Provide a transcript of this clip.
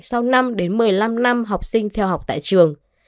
sau năm đến một mươi năm năm học sinh theo học tại trường